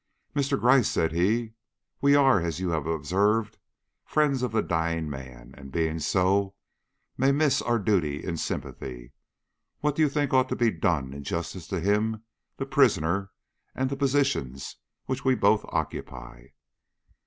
"Mr. Gryce," said he, "we are, as you have observed, friends of the dying man, and, being so, may miss our duty in our sympathy. What do you think ought to be done, in justice to him, the prisoner, and the positions which we both occupy?"